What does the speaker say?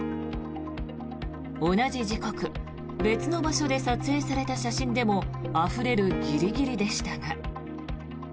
同じ時刻別の場所で撮影された写真でもあふれるギリギリでしたが。